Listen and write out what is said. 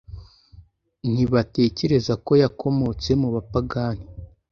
ntibatekereza ko yakomotse mu bapagani